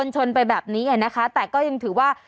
ชนไปแบบนี้นะคะแต่ก็ยังถือว่า